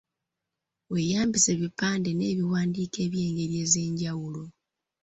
Weeyambise ebipande n’ebiwandiiko eby’engeri ez’enjawulo.